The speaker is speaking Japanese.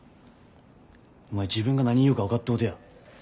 お前自分が何言うか分かっとうとや。